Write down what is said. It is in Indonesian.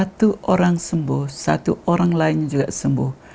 satu orang sembuh satu orang lain juga sembuh